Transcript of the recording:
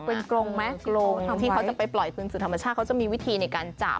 เป็นกรงไหมกรงที่เขาจะไปปล่อยคืนสู่ธรรมชาติเขาจะมีวิธีในการจับ